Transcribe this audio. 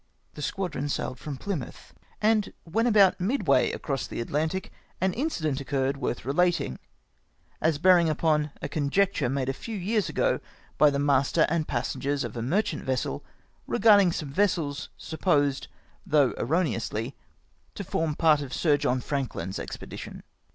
The squadron sailed from Plymouth ; and when about midway across the Atlantic an incident occurred worth relating, as bearmg upon a conjecture made a few years ago, by the master and passengers of a merchant vessel, regarding some vessels, supposed, though erro neously, to form part of Sir John Frankhn's expedition.